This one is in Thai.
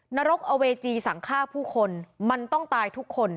นรกอเวจีสั่งฆ่าผู้คนมันต้องตายทุกคน